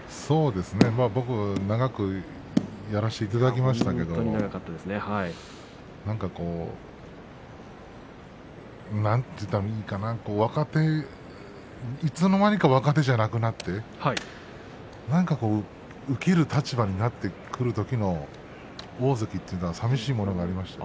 僕も長くやらせていただきましたけれど。なんて言ったらいいかないつの間にか若手じゃなくなって受ける立場になってくるときの大関というのはさみしいものがありました。